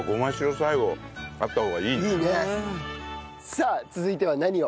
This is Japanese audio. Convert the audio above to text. さあ続いては何を？